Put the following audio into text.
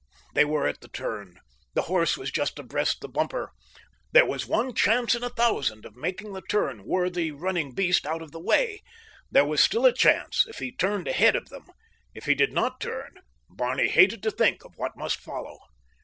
They were at the turn. The horse was just abreast the bumper. There was one chance in a thousand of making the turn were the running beast out of the way. There was still a chance if he turned ahead of them. If he did not turn—Barney hated to think of what must follow.